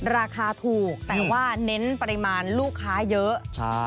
ราคาถูกแต่ว่าเน้นปริมาณลูกค้าเยอะ